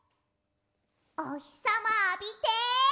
おひさまあびて。